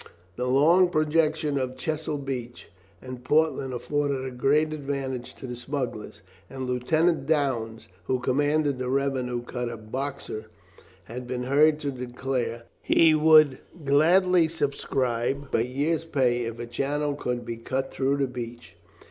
The long projection of Chesil Beach and Portland afforded a great advantage to the smugglers; and Lieutenant Downes, who commanded the revenue cutter Boxer, had been heard to declare that he would gladly subscribe a year's pay if a channel could be cut through the beach.